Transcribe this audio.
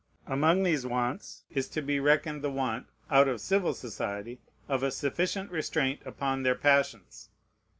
Among these wants is to be reckoned the want, out of civil society, of a sufficient restraint upon their passions.